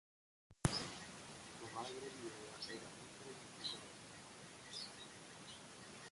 Su madre viuda era muy cariñosa con ellas.